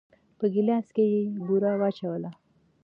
په ګيلاس کې يې بوره واچوله.